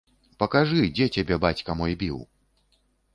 Пакажы, дзе цябе бацька мой біў?